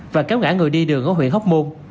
và kéo ngã người đi đường ở huyện hóc môn